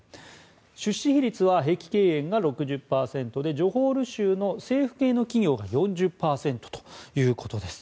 出資比率は碧桂園が６０％でジョホール州の政府系の企業が４０％ということです。